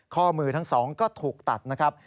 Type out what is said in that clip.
ข้อมือทั้งสองก็ถูกตัดนะครับ